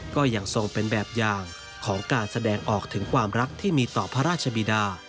ก็ยังทรงเป็นแบบอย่างของการแสดงออกถึงความรักที่มีต่อพระราชบิดา